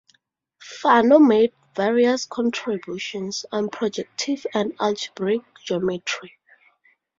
Fano made various contributions on projective and algebraic geometry.